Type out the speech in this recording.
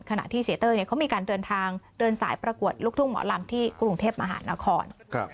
ขณะที่เสียเต้ยเขามีการเดินทางเดินสายประกวดลูกทุ่งหมอลำที่กรุงเทพมหานคร